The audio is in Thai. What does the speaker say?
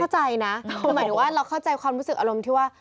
หมายถึงว่าเราเข้าใจความรู้สึกอารมณ์ที่ว่า